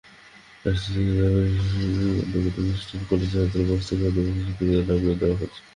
রাজশাহীর ক্যাথলিক ডায়াসিসের অন্তর্গত খ্রিষ্টান কলেজ ছাত্রাবাস থেকে আদিবাসী শিক্ষার্থীদের নামিয়ে দেওয়া হচ্ছে।